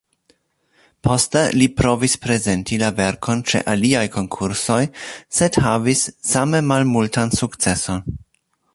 Poste li provis prezenti la verkon ĉe aliaj konkursoj, sed havis same malmultan sukceson.